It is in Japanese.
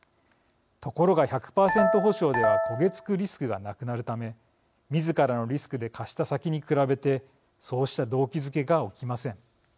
ところが１００％保証では焦げ付くリスクがなくなるためみずからのリスクで貸した先に比べてそうした動機づけが起きません。